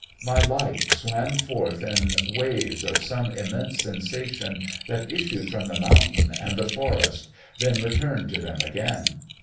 My life swam forth in waves of some immense sensation that issued from the mountain and the forest, then returned to them again.